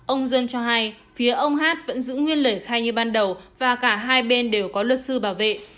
ông john cho hay phía ông hát vẫn giữ nguyên lời khai như ban đầu và cả hai bên đều có luật sư bảo vệ